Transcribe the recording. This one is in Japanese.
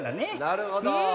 なるほど。